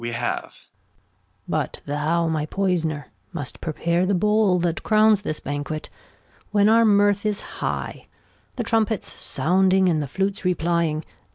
But thou, my Poysner, must prepare the Bowll That Crowns this Banquet, when our Mirth is High, The Trumpets sounding, and the Flutes replying.